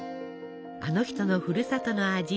あの人のふるさとの味